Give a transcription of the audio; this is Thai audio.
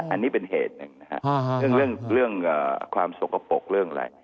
อันนี้เป็นเหตุหนึ่งนะฮะเรื่องความสกปรกเรื่องอะไร